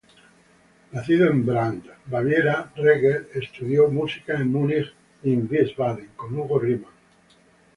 Nacido en Brand, Baviera, Reger estudió música en Múnich y Wiesbaden con Hugo Riemann.